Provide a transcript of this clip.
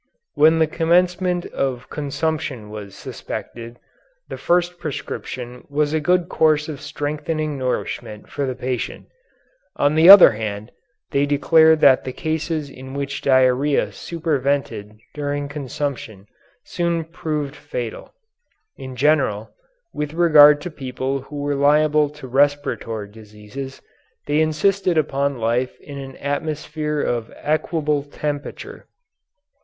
When the commencement of consumption was suspected, the first prescription was a good course of strengthening nourishment for the patient. On the other hand, they declared that the cases in which diarrhea supervened during consumption soon proved fatal. In general, with regard to people who were liable to respiratory diseases, they insisted upon life in an atmosphere of equable temperature.